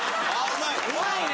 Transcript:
うまいね！